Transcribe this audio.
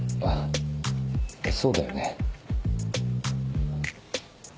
あっそうだよね。